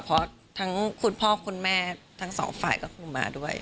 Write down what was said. เพราะทั้งคุณพ่อคุณแม่ทั้งสองฝ่ายก็คงมาด้วย